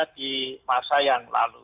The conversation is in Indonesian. di masa yang lalu